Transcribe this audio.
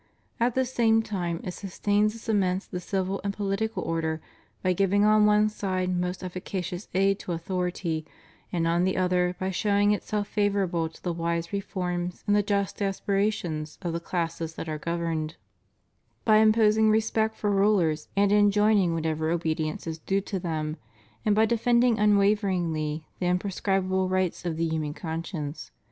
At the same time it sus tains and cements the civil and poHtical order by giving on one side most efficacious aid to authority, and on the other by showing itself favorable to the wise reforms and the just aspirations of the classes that are governed; by imposing respect for rulers and enjoining whatever obe dience is due to them, and by defending unwaveringly the imprescriptible rights of the human conscience.